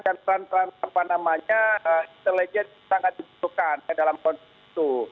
dan apa namanya intelijen sangat dibutuhkan dalam konstruksi itu